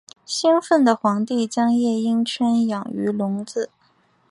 兴奋的皇帝将夜莺圈养于笼子。